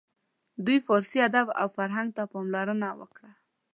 دوی فارسي ادب او فرهنګ ته پاملرنه وکړه.